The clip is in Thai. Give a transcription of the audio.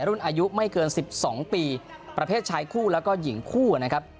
รุ่นอายุไม่เกิน๑๒ปีประเภทชายคู่แล้วก็หญิงคู่นะครับ